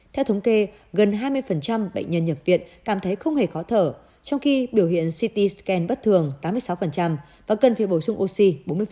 theo thống kê gần hai mươi bệnh nhân nhập viện cảm thấy không hề khó thở trong khi biểu hiện city scan bất thường tám mươi sáu và cần phải bổ sung oxy bốn mươi